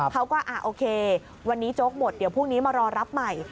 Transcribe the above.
เขาก็โอเควันนี้โจ๊กหมดเดี๋ยวพรุ่งนี้มารอรับใหม่